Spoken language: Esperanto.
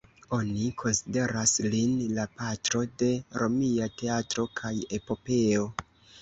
Oni konsideras lin la patro de romia teatro kaj epopeo.